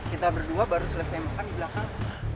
kita berdua baru selesai makan di belakang